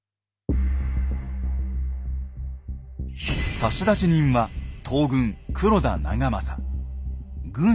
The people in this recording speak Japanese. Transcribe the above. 差出人は東軍黒田長政。